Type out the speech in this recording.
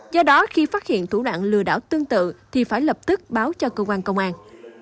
do đó khi phát hiện thủ đoạn lừa đảo tương tự thì phải lập tức báo cho cơ quan công an